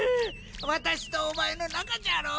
私とお前の仲じゃろ？